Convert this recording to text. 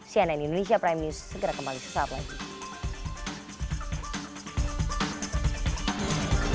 cnn indonesia prime news segera kembali sesaat lagi